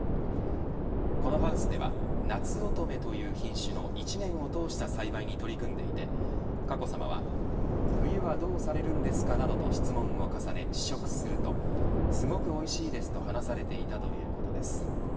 このハウスではなつおとめという品種の１年を通した栽培に取り組んでいて佳子さまは冬はどうされるんですかなどと質問を重ね試食するとすごくおいしいですと話されていたということです。